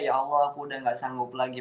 ya allah aku udah gak sanggup lagi